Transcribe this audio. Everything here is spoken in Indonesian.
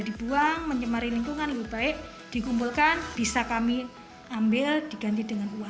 dibuang menjemari lingkungan lupa eh dikumpulkan bisa kami ambil diganti dengan uang pengumpulan